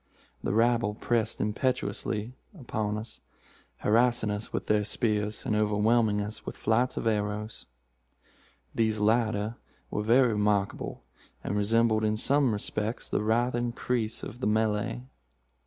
The rabble pressed impetuously upon us, harrassing us with their spears, and overwhelming us with flights of arrows. These latter were very remarkable, and resembled in some respects the writhing creese of the Malay.